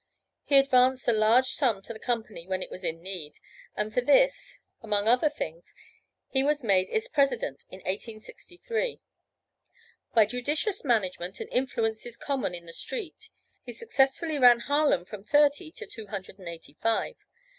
He advanced a large sum to the company when it was in need, and for this, among other things, he was made its President in 1863. By judicious management and influences common in 'The street,' he successfully ran Harlem from thirty to two hundred and eighty five.